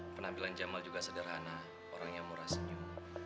penampilan jamal juga sederhana orangnya murah senyum